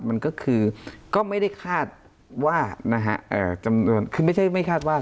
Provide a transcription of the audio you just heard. มันก็คือก็ไม่ได้คาดว่านะฮะจำนวนคือไม่ใช่ไม่คาดว่า